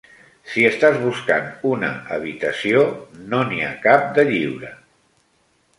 Si estàs buscant una habitació, no n'hi ha cap de lliure.